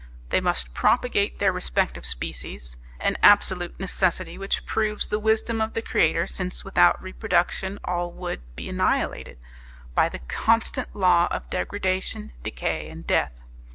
They must propagate their respective species; an absolute necessity which proves the wisdom of the Creator, since without reproduction all would be annihilated by the constant law of degradation, decay and death.